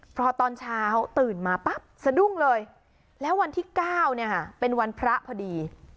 พอตอนเช้าตื่นมาปั๊บสะดุ้งเลยแล้ววันที่๙เป็นวันพระพอดี